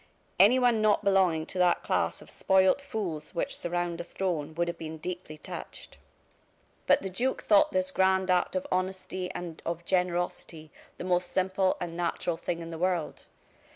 Anyone not belonging to that class of spoiled fools which surround a throne would have been deeply touched. But the duke thought this grand act of honesty and of generosity the most simple and natural thing in the world.